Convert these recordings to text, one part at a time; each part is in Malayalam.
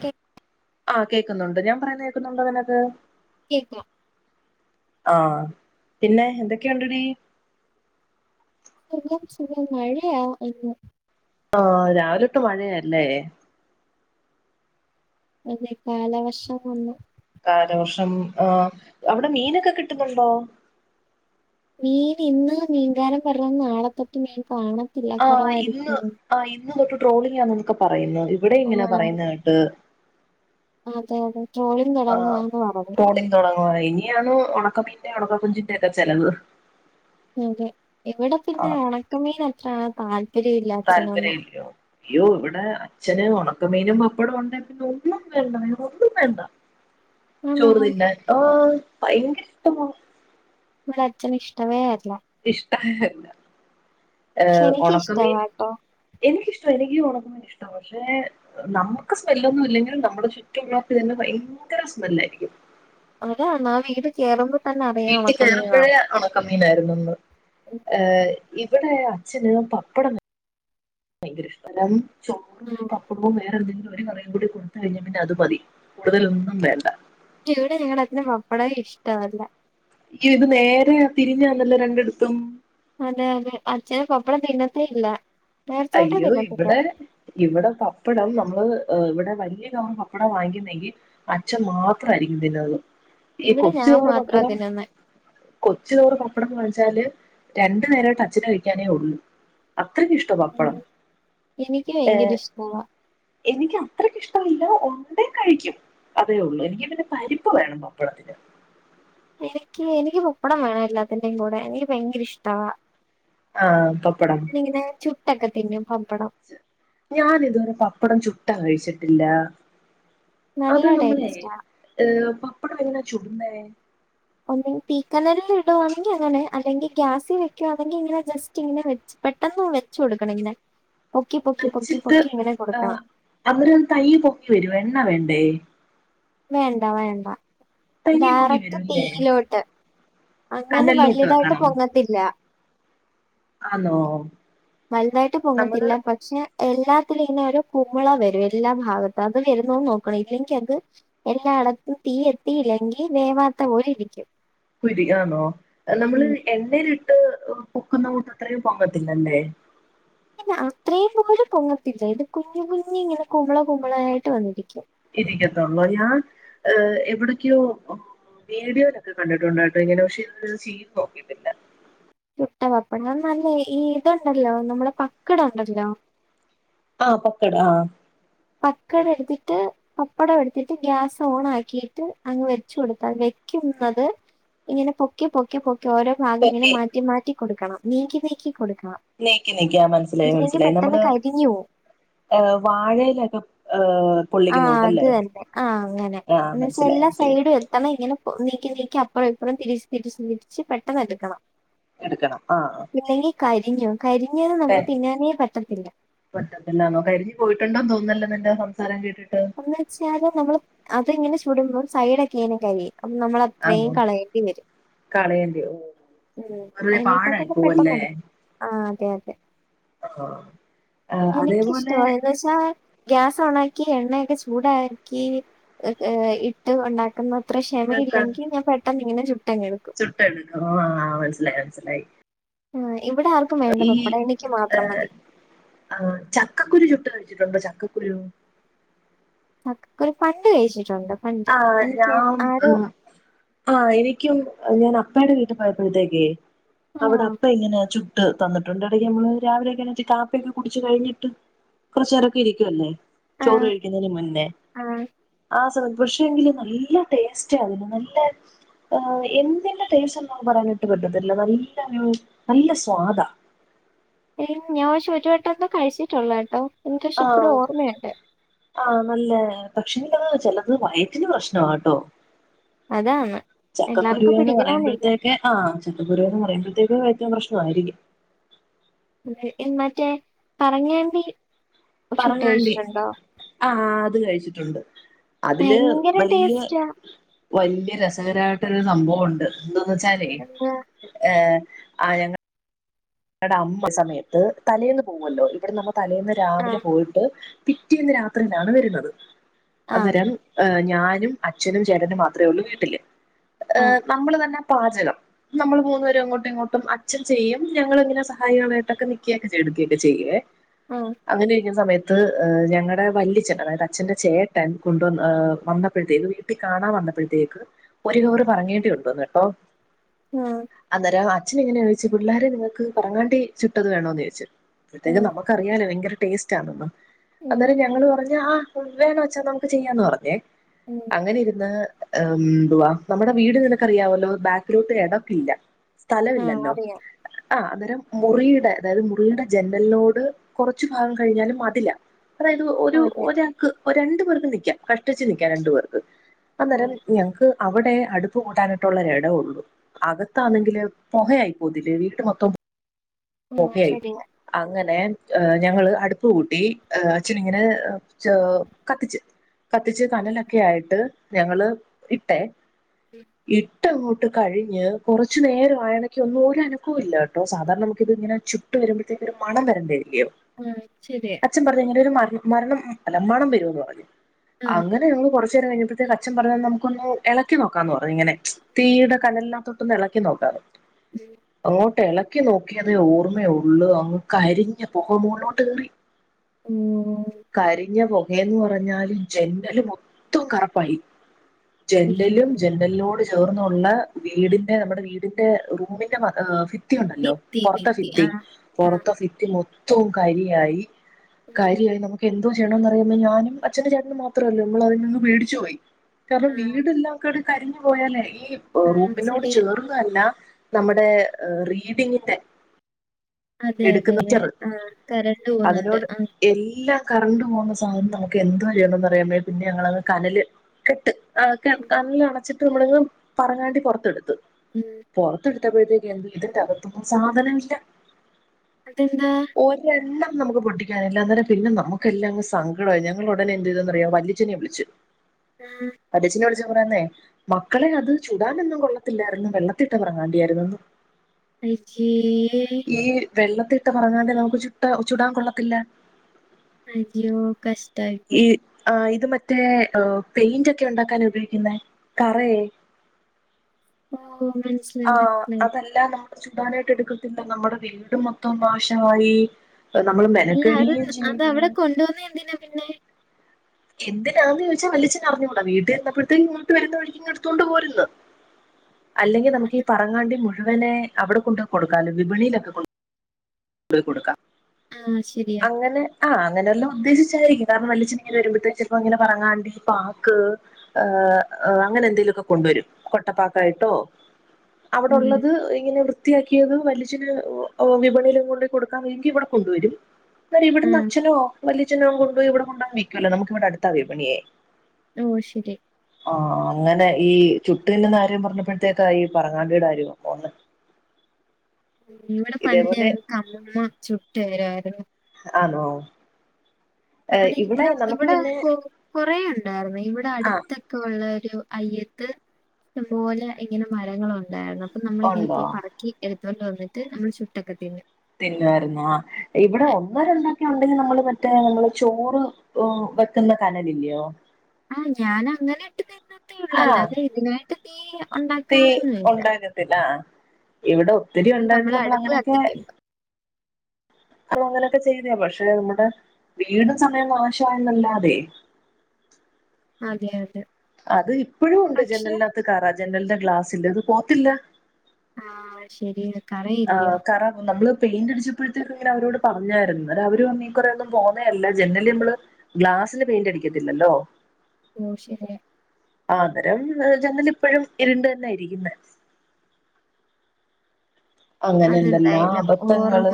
കേ ആഹ് കേക്ക്ന്നുണ്ട് ഞാൻ പറയുന്ന കേക്ക്ന്നുണ്ടോ നിനക്ക് കേക്കാ ആഹ് പിന്നെ എന്തൊക്കെയുണ്ടെടി. എല്ലാം സുഖം മഴയാ ഇന്ന് ആഹ് രാവിലൊട്ട് മഴയല്ലേ. അതേ കാലവർഷം വന്നു. കാലവർഷം ആ അവിടെ മീനൊക്കെ കിട്ടുന്നുണ്ടോ. മീനിന്ന് മീങ്കാരൻ പർഞ്ഞത് നാളത്തൊട്ട് മീൻ കാണത്തില്ല ആഹ് ഇന്ന് കൊറവായിരിക്കും ന്ന്. ആഹ് ഇന്ന് തൊട്ട് ട്രോളിങന്ന് ന്നൊക്കെ പറയുന്നു ഇവിടെ ആ ഇങ്ങന പറയുന്ന കേട്ട്. അതെ അതെ ട്രോളിംഗ് തുടന്നങ്ങുവാന്ന് പറഞ്ഞു. തുടങ്ങുവ ഇനിയാണ് ഉണക്കമീന്റെ ഉണക്കകൊഞ്ചിന്റെക്കെ ചെലവ്. അതെ ഇവിടെ പിന്നെ ആഹ് ഒണക്കമീനത്ര താല് താല്പര്യം ഇല്ലയോ യ്യോ വടെ. ച്ഛന് ഒണക്കമീനും പപ്പടം ഉണ്ടെ പിന്നെ ഒന്നും വേണ്ട വേറെ ഒന്നും വേണ്ട. ആണോ ചോറ് തിന്നാൻ ഓ ഭയങ്കര ഇഷ്ടമാ. വടച്ഛന് ഇഷ്ടവേ അല്ല. ഇഷ്ടായല്ല പക്ഷെ ഏഹ് എനിക്ക് ഒണക്കമീൻ. ഇഷ്ടമാട്ടോ എനിക്കിഷ്ടവ എനിക്ക് ഈ ഒണക്കമീൻ ഇഷ്ട പക്ഷെ. നമുക്ക് സ്മെല്ലൊന്നു ഇല്ലെങ്കിലും നമ്മുടെ ചുറ്റു മുള്ളോട്ത്ത് തന്നെ ഭയങ്കര സ്മെല്ലായിരിക്കും. അതാണാ വീട് കേറുമ്പ വീട്ട് കേറുമ്പഴേ ഒണ ണക്കമീനായിരുന്നു ഇന്ന് ഏഹ് ഇവിടെ അച്ഛന് പപ്പടം ഭയങ്കര ഇഷ്ട്ടാ രണ് ചോറും ഉം. പപ്പടവും വേറെ എന്തെങ്കിലും ഒരു കറിയും കൂടി കൊടുത്ത കഴിഞ്ഞാ പിന്നെ അത് മതി കൂടുതലൊന്നും വേണ്ട. ഇവിടെ ഞങ്ങളച്ചന് പപ്പടം ഇഷ്ടമല്ല. യ്യോ ഇത് നേരെ തിരിഞ്ഞാന്നല്ലോ രണ്ടിടത്തും. അതെ അതെ അച്ഛന് പപ്പടം തിന്നത്തെ ഇല്ല. നേരത്തെ തൊട്ടേ അയ്യോ തിന്നത്തില്ല ഇവിടെ ഇവടെ പപ്പടം നമ്മള് അ് ഇവിടെ വല്ല്യ കവർ പപ്പടാ വാങ്ങിക്കുന്നെങ്കിൽ. അച്ഛൻ മാത്രായിരിക്കും തിന്നത് ഈ ഇവിടെ കൊച്ചു ഞാൻ കവർ മാത്രാ പപ്പടം. തിന്നുന്നെ കൊച്ചു കവറ് പപ്പടം വാങ്ങിച്ചാല് രണ്ടു നേരായിട്ട് അച്ചന് കഴിക്കാനേ ഒള്ളു. അത്രക്ക് ഇഷ്ടം. ഉം എനിക്ക് ഏഹ് ഭയങ്കര ഇഷ്ടവാ എനിക്ക് അത്രക്ക് ഇഷ്ടമല്ല ഒണ്ടേ കഴിക്ക്യും. അതേ ഒള്ളൂ എനിക്ക് പിന്നെ പരിപ്പ് വേണം പപ്പടത്തിന്. എനിക്ക് എനിക്ക് പപ്പടം വേണം എല്ലാത്തിൻ്റെം കൂടെ എനിക്ക് ഭയങ്കര ഇഷ്ടവാ ആഹ് പപ്പടം. നിങ്ങനെ ചുട്ടൊക്കെ തിന്നും പപ്പടം. ഞാനിതുവരെ പപ്പടം ചുട്ടാ കഴിച്ചിട്ടില്ലാ. നല്ല അത് നമ്മളെ ടേസ്റ്റാ ഏഹ് പപ്പടം എങ്ങനാ ചുടുന്നേ. ഒന്നെങ്കി തീക്കനലിൽ ഇടുവാണങ്കി അങ്ങനെ അല്ലെങ്കി ഗ്യാസി വെക്ക്യുവാണെങ്കി ങ്ങനെ ജസ്റ്റ് ഇങ്ങനെ വെച് പെട്ടെന്ന് വെച്ച് കൊടുക്കണം ങ്ങനെ പൊക്കി പൊക്കി പൊക്കി പൊക്കി ഇങ്ങനെ കൊടുക്കണം. അവര് തനിയെ പൊങ്ങി വര്യോ എണ്ണ വേണ്ടേ. വേണ്ട വേണ്ട. തൈ പൊങ്ങി ഡയറക്റ്റ് വരൂല്ലേ തീയിലോട്ട് അങ്ങനെ കനലിലോട്ട് വലുതായിട്ട് വെക്കണം പൊങ്ങത്തില്ല. ആന്നോ. വൽതായിട്ട് നമ്മള് പൊങ്ങത്തില്ല പക്ഷെ. എല്ലാത്തില് ങ്ങനെ ഒരു കുമള വരു എല്ലാ ഭാഗത്ത് അത് വരുന്നോ നോക്കണ ഇല്ലെങ്കി അത്. എല്ലായിടത്തും തീ എത്തിയില്ലെങ്കി വേവാത്ത പോലിരിക്ക്യും. കുരി ആണോ അ നമ്മള് എണ്ണയിലിട്ട് പൊക്കുന്ന കൂട്ടത്രയും പൊങ്ങത്തില്ലല്ലേ. പിന്ന അത്രയും പോലും പൊങ്ങത്തില്ല ഇത് കുഞ്ഞ് കുഞ്ഞ് ങ്ങനെ കുമള കുമള ആയിട്ട് വന്നിരിക്യും ഇരിക്ക്യത്തൊള്ളോ ഞാൻ ഏഹ് എവിടക്ക്യോ. വീഡിയോയിലൊക്കെ കണ്ടിട്ടുണ്ട് ഇങ്ങനെ പക്ഷെ ഇത് ചെയ്ത് നോക്കിയിട്ടില്ല ചുട്ട പപ്പടം നല്ലേ ഈ ഇതുണ്ടല്ലോ നമ്മുടെ പക്കട ഉണ്ടല്ലോ ആഹ് പക്കട ആഹ് പക്കട എടുത്തിട്ട് പപ്പടം എടുത്തിട്ട് ഗ്യാസ് ഓൺ ആക്കിട്ട് അങ്ങ് വെച്ച് കൊടുത്ത വെക്കുന്നത് ഇങ്ങനെ പൊക്കി പൊക്കി പൊക്കി ഓരോ ഭാഗം ഇങ്ങനെ ഓക്കെ മാറ്റി മാറ്റി കൊടുക്കണം നീക്കി നീക്കി കൊടുക്കണം നീക്കി നീക്കി ആ മനസ്സിലായി ഇല്ലെങ്കി മനസ്സിലായി പെട്ടെന്ന് നമ്മള് കരിഞ്ഞു പോവും ഏഹ് വാഴയിലൊക്കെ ഏഹ് പൊള്ളിക്കുന്ന ആഹ് അത് കൂട്ടല്ലേ തന്നെ ആഹ് അങ്ങനെ ആഹ് എന്ന വെച്ചാ മനസ്സിലായി എല്ലാ മനസ്സിലായി സൈഡും എത്തണം ഇങ്ങനെ നീക്കി നീക്കി അപ്പുറം ഇപ്പറം തിരിച്ച് തിരിച്ച് തിരിച്ച് പെട്ടെന്ന് എടുക്കണം എടുക്കണം ആഹ് ല്ലെങ്കിൽ കരിഞ്ഞു കരിഞ്ഞത് നമുക്ക് തിന്നാനേ പറ്റത്തില്ല പറ്റത്തില്ലന്നോ കരിഞ്ഞു പോയിട്ടുണ്ടോന്ന് തോന്നുന്നല്ലോ നിന്റെ സംസാരം കേട്ടിട്ട് ന്ന് വെച്ചാല് നമ്മള് അത്ങ്ങനെ ചുടുമ്പോ സൈഡോക്കെ ഇങ്ങനെ കരിയും അത് നമ്മള് അത്രയും ആന്നോ കളയേണ്ടി വരും കളയേണ്ടി ഓ ഉം വെറുതെ പാഴായി അയിനെക്കാട്ടന്ന് പെട്ടെന്ന് പോവല്ലേ എടു ആഹ് അതെ അതെ ആഹ് അതേപോലെ ഞാൻ ഗ്യാസ് ഓണാക്കി എണ്ണയൊ ക്കെ ചൂടാക്കി ഏഹ് ഇട്ട് ഉണ്ടാക്കുന്നത്ര ക്ഷമയില്ലെങ്കിൽ ഞാൻ പെട്ട ട്ടെന്നിങ്ങനെ ചുട്ടങ്ങെടുക്കും ചുട്ടെടുക്കും ആഹ് മനസ്സിലായി മനസ്സിലായി ആഹ് ഇവിടെ ആർക്കും വേണ്ട ഈ പപ്പടം എനിക്ക് മാത്രം മതി ആഹ് ചക്കക്കുരു ചുട്ട് കഴിച്ചിട്ടുണ്ടോ ചക്കക്കുരു ചക്കക്കുരു പണ്ട് കഴിച്ചിട്ടുണ്ട് പണ്ട് ആഹ് എനിക്ക് ഞാമ് ആരോ ഉം ആഹ് എനിക്കും ഞാൻ അപ്പയുടെ വീട്ടിൽ പോയപ്പോഴത്തേക്കേ അവിടെ ആഹ് അപ്പ ഇങ്ങനെ ചു ട്ട് തന്നിട്ടുണ്ട് ഇടക്ക് നമ്മള് രാവിലെ ഒക്കെ കാപ്പിയൊക്കെ കുടിച്ച് കഴിഞ്ഞിട്ട് കൊറച്ചു നേരൊക്കെ ഇരിക്കുവല്ലേ ചോറ് ആഹ് കഴിക്കുന്നതിന് മുന്നേ ആഹ് ആഹ് പക്ഷേങ്കില് നല്ല ടേസ്റ്റാണ് നല്ല ആഹ് എന്തിന്റെ ടേസ്റ്റ്ന്ന പറയാനിട്ട് പറ്റത്തില്ല നല്ല ഒരു നല്ല സ്വാദാ ഏഹ് ഞാൻ പക്ഷെ ഒരു വട്ടെന്നു കഴിച്ചിട്ടുള്ളട്ടോ എനിക്ക് പക്ഷെ ഇപ്പഴും ആഹ് ഓർമ്മയുണ്ട് ആഹ് നല്ല പക്ഷെല്ലാ ചെലത് വയറ്റിന് പ്രശ്നവാട്ടോ അതാണ് എല്ലാവർക്കും ചക്കക്കുരുവേന്ന് പിടിക്കണമെന്നില്ല പറയുമ്പഴത്തേക്ക് ആഹ് ചക്കക്കുരുവേ എന്ന് പറയുമ്പഴത്തേക്ക് വഴറ്റിന് പ്രശ്നവായിരിക്കും ഉം മറ്റേ പറങ്ങാണ്ടി ചുട്ട് പറങ്ങാണ്ടി കഴിച്ചിട്ടുണ്ടോ ആഹ് അത് കഴിച്ചിട്ടുണ്ട് അതില് ഭയങ്കര വല്യ ടേസ്റ്റാ വല്ല്യ രസകരയിട്ടൊരു സംഭവോണ്ട് എന്തന്ന് വെച്ചാലേ എന്താ ഏഹ് ആയങ്ങ ടെ അമ്മ സമയത്ത് തലേന്ന് പോവുല്ലോ ഇവ്ട്ന്ന് മ്മ തലേന്ന് രാവിലെ ആഹ് പോയി ട്ട് പിറ്റേന്ന് രാത്രിയിലാണ് വെര്ന്നത് ആഹ് അന്നേരം ഏഹ് ഞാനും അച്ഛനും ചേട്ടനും മാത്രേ ഒള്ളൂ വീട്ടില് ആഹ് ഏഹ് നമ്മള് തന്നെ പാചകം നമ്മൾ മൂന്നു പേരും അങ്ങോട്ടും ഇങ്ങോട്ടും അച്ഛൻ ചെയ്യും ഞങ്ങള് ങ്ങനെ സഹായൊക്കെ ആയിട്ടൊക്കെ നിക്കൊക്കെ ചെയ്യുവേ ആഹ് അങ്ങനെ ഇരിക്കുന്ന സമയത്ത് ത്ത് ഏഹ് ഞങ്ങടെ വല്യച്ഛൻ അതായത് അച്ഛന്റെ ചേട്ടൻ കൊണ്ടുവന്ന് ഏഹ് വന്നപ്പഴത്തേക്ക്‌ വീ ട്ടി കാണാൻ വന്നപ്പഴത്തേക്ക് ഒര് കവറ് പറങ്ങേണ്ടി കൊണ്ടുവന്ന് കെട്ടോ ആഹ് അന്നേരം അച്ഛനിങ്ങനെ ചോയ്ച് പിള്ളാരെ നിങ്ങൾക്ക് പറങ്ങാണ്ടി ചുട്ടത് വേണോന്ന് ചോയ്ച് പ്പഴത്തേക്കും ഉം, നമുക്കറിയാലൊ ഭയങ്കര ടേസ്റ്റ് ആണന്ന് ഉം, അന്നേരം ഞങ്ങള് പറഞ്ഞു ആഹ് [unintelligible] വെച്ചാ നമുക്ക് ചെയ്യാന്ന് പറഞ്ഞേ ഉം അങ്ങനെ ഇര്ന്ന് എന്തുവാ നമ്മുടെ വീട് നിനക്കറിയാവല്ലോ ബാക്കിലോട്ട് എടപ്പില്ല ആഹ് സ്ഥലവില്ലല്ലോ അറിയാം ആഹ് അന്നേരം മുറിയ്ടെ അതായത് മുറിയുടെ ജനല്നോട് കൊറച്ച് ഭാഗം കഴിഞ്ഞാല് മതിലാ അതായത് ഒരു അതെ ഒരാക്ക് രണ്ട് പേർക്ക് നിക്കാം കഷ്ടിച്ച് നിക്കാം രണ്ട് പേർക്ക് അന്നേരം ആഹ് ഞങ്ങ്ക്ക് അവിടെ അടുപ്പ് കൂട്ടാനായിട്ടുള്ളൊര് എടവൊള്ളൂ അകത്താന്നെങ്കില് പൊഹയായി പോത്തില്ലേ വീട്ട് മൊത്തം ആഹ് പൊകയായി ശരിയാ അങ്ങനെ ഞങ്ങള് അടുപ്പ് കൂട്ടി ഏഹ് അച്ഛനിങ്ങനെ ച്ചോ കത്തിച്ച് കത്തിച്ച് കനലൊക്കെ ആയിട്ട് ഞങ്ങള് ഇട്ടേ ഇ ട്ടങ്ങോട്ട് കഴിഞ്ഞ് കൊറച്ച് നേരമായണകെ ഒന്നു ഒരനക്കൂല്ലാ ട്ടോ സാധാരണ നുമുക്ക്ത്ങ്ങെനെ ചുട്ട് വരുമ്പഴ്ത്തേക്ക് ഒരു മണം വരണ്ടേല്ല്യോ ഉം ചെര്യാ ച്ഛൻ പറഞ്ഞു ഇങ്ങെനെ ഒരു മ മരണം അല്ല മണം വരുന്നൂന്ന് പറഞ്ഞു ആഹ് അങ്ങനെ ഞങ്ങള് കൊറ്ച്ച് ർച്ചേരം കഴ്ഞ്ഞപ്പഴ്ത്തേക്ക് അച്ചൻ പറഞ്ഞു നമുക്കൊന്നു എളെക്കി നോക്കാന്ന് പറഞ്ഞു ഇങ്ങെനെ തീയ്ടെ കനൽനാത്ത് ഒന്ന് എളക്കി നോക്കാങ്ങട്ട് അങ്ങോട്ടെളെ ക്കി നോക്കിയതേ ഓർമ്മയൊള്ളു അങ്ങ് കരിഞ് പുക മോൾലോട്ട് കേറി ഉം കരിഞ്ഞ പൊകയെന്ന് പറഞ്ഞാല് ജെന്റെല് മൊത്തം കറ്പ്പായി ഉം ജെന്റെലും ജെ ന്റൽനോട് ചേർന്നുള്ള വീടിന്റെ നമ്മ്ടെ വീടിന്റെ റൂമിന്റെ വ ഫി ത്തി ഉണ്ടല്ലോ ഭിത്തി പൊറത്തെ ഭിത്തി ഫിത്തി ആ ആ പൊറത്തെ ഫിത്തി മൊത്തവും കരിയായി ഉം കാരിയായി നമുക്ക് എന്തോ ചെയ്യണന്ന്റിയുമ്പോ ഞാനും അച്ഛന്റെ ചേട്ടനും മാത്രല്ലേ നമ്മൾ അതിൽ നിന്ന് പേടിച്ച് പോയി കാര്ണം ആ വീടെല്ലാൾക്കാടെ കരിഞ്ഞ് പോയാലേ ഈ ആ റൂഫിനോട് ശരി ചേർന്ന് [unintelligible] ല്ല നമ്മുടെ റീഡിങ്ങിന്റെ അതെ അതെ എട്ക്ന്ന് അതെ [unintelligible] ആ കരണ്ട് പോകുന്നുണ്ട് അതിനോട് ആ എല്ലാ കറണ്ട് പോകുന്ന സാധനത്ത് നമുക്ക് എന്തുവാ ചെയ്യണംന്ന് അറിയാമേ പിന്നെ ഞങ്ങളത് കനല് കെട്ട് ആഹ് ക ഉം, കണല് അണച്ചിട്ട് നമ്മളങ്ങ് പറങ്ങാണ്ടി പൊറത്തെട്ത്ത്‌ ഉം. പൊറത്തെട് ത്തപ്പഴത്തേക്ക് ഇതിനകത്തൊന്നും സാധനമില്ല അതെന്താ ഒരെണ്ണം നമുക്ക് പൊട്ടിക്കാനില്ല അന്നേരം പിന്നെ നമുക്കല്ലാ അങ്ങ് സങ്കടായി ഞങ്ങളുടനെ എന്തെയ്തെന്നറ്യൊ വെല്ല്യച്ചെനെ വിളിച്ചു ആഹ് വല്ല്യച്ചനെ വിളിച്ചെപ്പ പറയാന്നേ മക്കളേ അത് ചുടാനൊന്നും കൊള്ളത്തില്ലായിര്ന്ന് വെള്ളത്തിട്ടെ പറങ്ങാണ്ടിയായിര്ന്നെന്ന് അയ്ച്ചേ ഈ വെള്ളത്തിട്ട പറങ്ങാണ്ടി നമുക്ക് ചുട്ട ചൂടാം കൊള്ളത്തില്ലാ അയ്യോ കഷ്ടായ്പ്പോയ് ആഹ് ഇത് മറ്റേ പെയിന്റാെക്കെ ഉണ്ടാക്കാൻ ഉപയോഗിക്ക്ന്നെ കറേ ഓഹ് മൻസ് ആഹ് അതല്ല നമ്മൾ ചുടാനായ്ട്ട് എട്ക്കത്തില്ല നമ്മടെ വീട് മൊത്തം നാശമായി നമ്മള് മെനെക്കെട്കെയും ചെയ്ത് കൊണ്ട് വന്നേ എന്തിനാ പിന്നെ എന്തിനാന്ന് ചോയ്ച്ചാ വല്യച്ചനറിഞ്ഞൂടാ വീട്ടിൽ ഇര്ന്നപ്പോഴ്ത്തേ ഇങ്ങോട്ട് വര്ന്ന വഴിക്ക് ഇങ്ങെട്ത്തോണ്ട് പോരുന്ന് അല്ലെങ്കി നമുക്ക് ഈ അത് പറങ്ങാണ്ടി മുഴുവെനെ അവടെ കൊണ്ടാേയ് കൊടുക്കാലോ വിപണിയിലൊക്കെ കൊ ണ്ടോയി കൊട്ക്കാം ആഹ് ശെരിയാ അങ്ങെനെ ആഹ് അങ്ങെനെ വെല്ലോം ഉദ്ദേശിച്ചായിരിക്കും കാരണം വല്യച്ചനിങ്ങെനെ വര്മ്പഴ്ത്തേക്ക് ചെലപ്പോ ഇങ്ങെനെ പറങ്ങാണ്ടീ പാക്ക് ഏഹ് അങ്ങനെ എന്തേലാെക്കെ കൊണ്ട്‌വരും കൊട്ടപ്പാക്കായ്ട്ടോ ഉം അവിടൊള്ളത് ഇങ്ങനെ വൃ ത്തിയാക്കിയത് വല്യച്ചന് ഓ ഓ വിപണിയിലൊക്കെ കൊണ്ടോയ് കൊട്ക്കാൻ വേണ്ടി ഇവിടെ കൊണ്ടുവരും എന്ന ആ ഇവിടന്ന് അച്ഛനോ വല്യച്ഛനോ കൊണ്ട് പോയി ഇവിടെ കൊണ്ടോ വിൽക്കുവല്ലോ നമുക്ക് ഇവിടെ അടുത്താ വിപണിയേ ഉം ശരി ആഹ അങ്ങനെ ഈ ചുട്ടുന്നകാര്യം പറഞ്ഞപ്പോഴത്തേക്കാ ഈ പറങ്ങാണ്ടിടെ കാര്യ ഓർമ്മവന്നെ ഇവിടെ ഇതേപോലെ പണ്ടിങ്ങക്ക് അമ്മമ്മ ചുട്ടു തരുവായിരുന്നു ആണോ ഇവിടെ ഇവിടെ നമുക്ക് ഇവിടെ പിന്നെ കൊ കൊറേ ഉണ്ടായിരുന്നു ഇവിടെ ആഹ് അടുത്ത് ഉള്ള ഒരു അയ്യത്ത് ഇഷ്ടം പോലെ ഇങ്ങനെ മരങ്ങളുണ്ടായിരുന്നു പ്പൊ നമ്മളിങ്ങനെ ഉണ്ടോ പോയി പറക്കി എടുത്തുകൊണ്ട് വന്നിട്ട് മ്മള് ചുട്ടൊക്കെ തിന്ന് തിന്നായിരുന്നോ ഇവിടെ ഒന്ന് രണ്ടാക്കെ ഉണ്ടെങ്കിൽ നമ്മള് മറ്റേ നമ്മള് ചോറ് ഓ വെക്കുന്ന കാനലിയോ ആഹ് ഞാൻ അങ്ങനെ ഇട്ട് തിന്നത്തേ ഒള്ളു ആഹ് അല്ലാതെ ഇതിനായിട്ട് തീ തീ ഉണ്ടാക്കാറൊന്നല്ല ഉണ്ടാക്കത്തില്ല ആഹ് ഇവിടെ ഒത്തിരി അങ്ങനെ ഉണ്ടായിട്ട് നമ്മളെ നമ്മൾ അടുപ്പ് അങ്ങനെയൊക്കെ കത്തിക്കുമ്പൊ പ്പ അങ്ങനെയൊക്കെ ചെയ്ത പക്ഷെ ഇവ്ടെ വീടും സമയം നാശാവാണ്ട് നിന്നതി അതെ അതെ അത് ഇപ്പോഴും ഉണ്ട് പക്ഷെ ജനലിനകത്ത് കറാ ജനലിന്റെ ഗ്ലാസ്സ്ൽ അത് പോത്തില്ല ആഹ ശരിയ ആ കറ നമ്മള് പെയിന്റടിച്ച് പ്പോഴത്തേക് ഇങ്ങനെ അവരോട് പറഞ്ഞായിരുന്നു ന്നിട്ട അവര്റഞ്ഞു ഈ കറന്നും പോവേല്ല ജെനലിമ്മള് ഗ്ലാസ്സിന് പെയിന്റ് അടിക്കത്തില്ലല്ലോ ഓ ശരിയാ അതരം ജനലിപ്പഴും ഇരുണ്ട് തന്നെയായിരിക്കുന്നെ അങ്ങനെല്ലാലോ അതെന്തായാലും അബദ്ധങ്ങള് ഓർമ്മ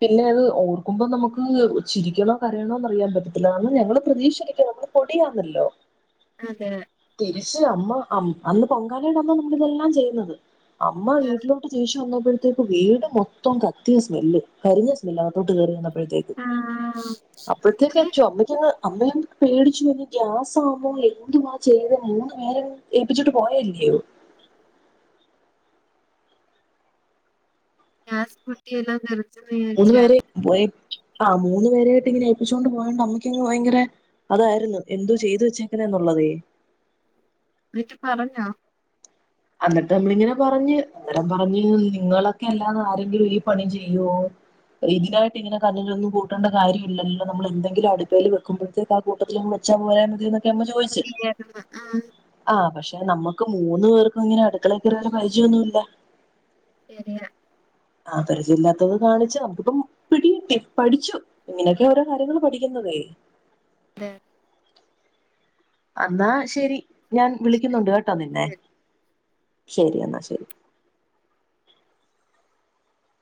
പിന്നെ അത് ഓർക്കുമ്പോ നമുക്ക് ചിരിക്കണോ കരയണോന്ന് അറിയാൻ പറ്റത്തില്ല അന്ന് ഞങ്ങള് പ്രതീക്ഷ നമ്മള് പൊടിയാന്നല്ലോ അതെ തിരിച്ചു അമ്മ അന്ന് പൊങ്കാലയുടെ അന്നമ്മളിതെല്ലാം ചെയ്യുന്നത് അമ്മ വീ ട്ടി തിരിച്ചു വന്നപ്പോഴത്തേക്ക് വീട് മൊത്തം കത്തിയ സ്മെല് കരിഞ്ഞ സ്മെല് അകത്തോട്ട് കയറി വന്നപ്പോഴത്തേ ആ എനിക്ക് അപ്പോഴത്തേക്കച്ചോമ അമ്മയ് അമ്മ പേടിച്ചു ഗ്യാസാണോ എന്തുവാ ചെയ്ത് മൂന്ന് വേര ഏൽപ്പിച്ചിട്ട് പോയല്ലയോ ഗ്യാസ് പൊട്ടി വെല്ലോ തെ മൂന്ന് പേരെ പോയ ആ മൂന്ന് പേരായിട്ട് ഇങ്ങനെ ഏൽപ്പിച്ചോണ്ട് പോയണ്ട് അമ്മയ്ക്ക്ങ്ങ് ഭയങ്കര അതായിരുന്നു എന്തോ ചെയ്തു വെച്ചേക്ക്ന്ന് എന്നുള്ളതെയ് ന്നിട്ട് പറഞ്ഞോ അന്നിട്ട് നമ്മളിങ്ങനെ പറഞ്ഞ് അന്നേരം പറഞ്ഞ് നിങ്ങളൊക്കെ അല്ലാതെ ആരെങ്കിലും ഈ പണി ചെയ്യുവോ ഇതിനായിട്ട് ഇങ്ങനെ കനലൊന്നും കൂട്ടേണ്ടകാര്യല്ലല്ലോ നമ്മളന്തങ്കിലും അടുപ്പയിൽ വെക്കുമ്പോഴ്തേക്ക് കൂട്ടത്തില് [unintelligible] ൻ്റെമ്മ അതൊക്കെയായിരുന്നു ആ ചോദിച്ചുആ പക്ഷെ നമ്മക്ക് മൂന്ന പേർ ക്കളിങ്ങനെ അടുക്കളേക്കേറി ഒര് പരിചയൊന്നുല്ല ശെരിയാ ആഹ് പരിചയല്ലാത്തത് കാണിച്ചാ നമുക്കിപ്പം പിടി കിട്ടി പഠിച്ചു ഇങ്ങനൊക്കെ ഓരോ കാര്യങ്ങൾ പഠിക്കുന്നതേ തെ അ ന്നാ ശരി ഞാൻ വിളിക്കുന്നുണ്ട് കേട്ടോ നിന്നെ അതെ ശരി എന്നാ ശരി